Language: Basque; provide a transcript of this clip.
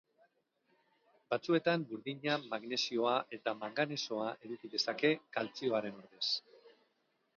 Batzuetan burdina, magnesioa eta manganesoa eduki dezake kaltzioaren ordez.